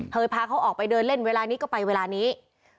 พาเขาออกไปเดินเล่นเวลานี้ก็ไปเวลานี้